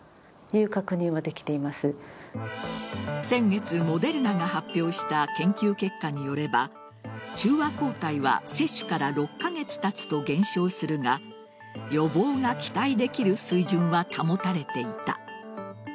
先月、モデルナが発表した研究結果によれば中和抗体は接種から６カ月たつと減少するが予防が期待できる水準は保たれていた。